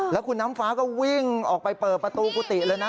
แล้วคุณน้ำฟ้าก็วิ่งออกไปเปิดประตูกุฏิเลยนะ